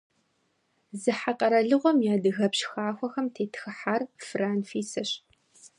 Зыхьэ къэралыгъуэм и адыгэпщ хахуэхэм тетхыхьар Фырэ Анфисэщ.